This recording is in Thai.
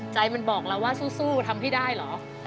ใจมันบอกเราว่าสู้สู้ก็ทำที่ได้หรอ